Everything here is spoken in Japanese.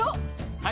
はい。